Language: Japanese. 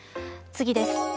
次です。